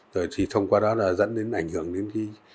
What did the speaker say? rồi thì thông qua đó là dẫn đến ảnh hưởng đến cái